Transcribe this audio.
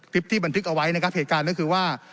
ทริปที่บันทึกไว้โทษการณ์ก็คือว่า